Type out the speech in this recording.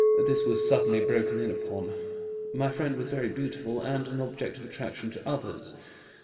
This was suddenly broken in upon. My friend was very beautiful and an object of attraction to others.